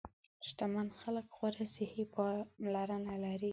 شتمن خلک غوره صحي پاملرنه لري.